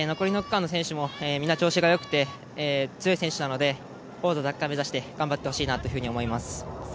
残りの区間の選手も皆調子がよくて強い選手なので、王座奪還目指して頑張ってほしいなと思います。